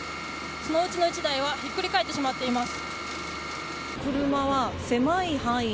そのうちの１台は引っくり返ってしまっています。